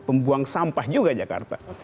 pembuang sampah juga jakarta